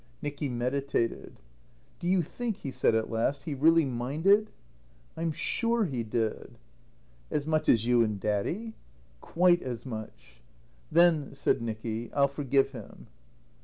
Nicky meditated. "Do you think," he said at last, "he really minded?" "I'm sure he did." "As much as you and Daddy?" "Quite as much." "Then," said Nicky, "I'll forgive him."